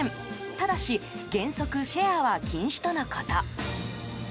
ただし原則シェアは禁止とのこと。